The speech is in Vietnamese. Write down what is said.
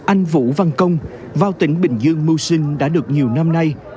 anh vũ văn công vào tỉnh bình dương mưu sinh đã được nhiều năm nay